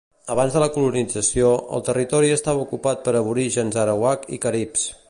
Abans de la colonització, el territori estava ocupat per aborígens arawak i caribs.